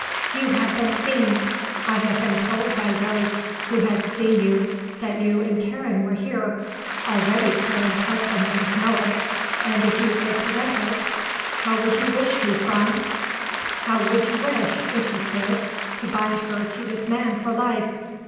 "You have been seen. I have been told by those who had seen you that you and Karen were here. Already Karen's husband must know it. And if you could prevent it, would you wish to, Franz? Would you wish, if you could, to bind her to this man for life?